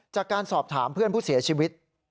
จากการสอบถามเพื่อนผู้เสียชีวิต